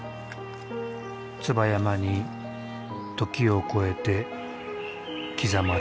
椿山に時を超えて刻まれる。